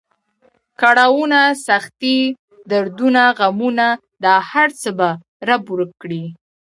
کړاونه، سختۍ، دردونه، غمونه دا هر څه به رب ورک کړي.